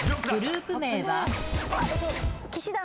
グループ名は？